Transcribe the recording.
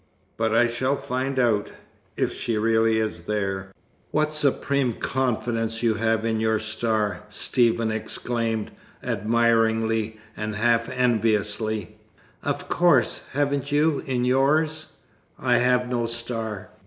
But I shall find out, if she is really there." "What supreme confidence you have in your star!" Stephen exclaimed, admiringly, and half enviously. "Of course. Haven't you, in yours?" "I have no star."